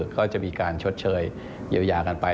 ก็จะมีการชดเชยเยียวยากันไป